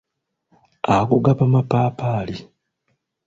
Ago gaba mapaapaali.